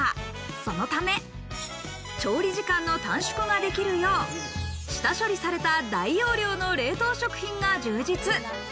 そのため調理時間の短縮ができるよう、下処理された大容量の冷凍食品が充実。